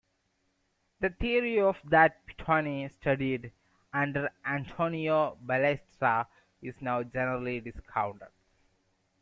The theory of that Pittoni studied under Antonio Balestra is now generally discounted.